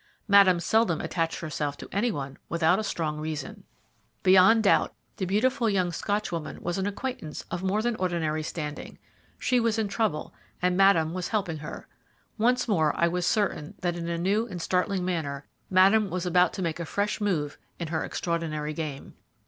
Madame seldom attached herself to any one without a strong reason. Beyond doubt, the beautiful young Scotch woman was an acquaintance of more than ordinary standing. She was in trouble, and Madame was helping her. Once more I was certain that in a new and startling manner Madame was about to make a fresh move in her extraordinary game.